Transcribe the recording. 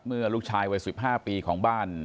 ลูกชายวัย๑๕ปีของบ้าน